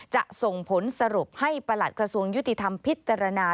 จะส่งผลสรุปให้ประหลัดกระทรวงยุติธรรมพิจารณา